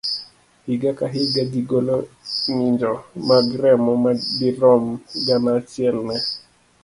Higa ka higa, ji golo ng'injo mag remo madirom gana achiel ne